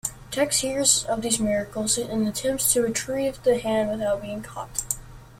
Tex hears of these miracles, and attempts to retrieve the hand without being caught.